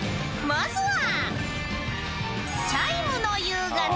［まずは］